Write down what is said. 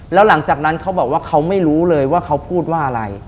แล้วหลังจากนั้นเขาบอกว่าเขาไม่รู้เลยว่าเขาพูดว่าอะไร